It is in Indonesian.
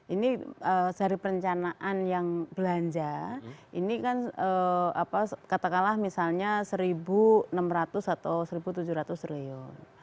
ini dari perencanaan yang belanja ini kan katakanlah misalnya rp satu enam ratus atau rp satu tujuh ratus triliun